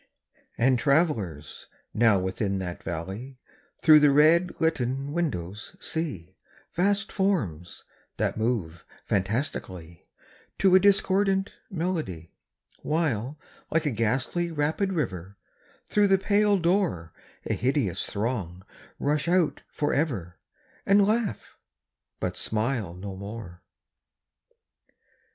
And travellers, now, within that valley, Through the red litten windows see Vast forms, that move fantastically To a discordant melody, While, like a ghastly rapid river, Through the pale door A hideous throng rush out forever And laugh but smile no more.